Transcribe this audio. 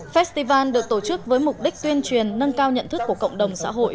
festival được tổ chức với mục đích tuyên truyền nâng cao nhận thức của cộng đồng xã hội